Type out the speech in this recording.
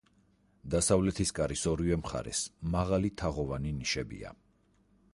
დასავლეთის კარის ორივე მხარეს მაღალი, თაღოვანი ნიშებია.